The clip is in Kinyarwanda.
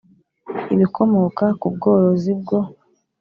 Ibikomoka ku bworozi bwo